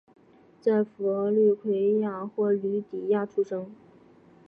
在佛律癸亚或吕底亚出生。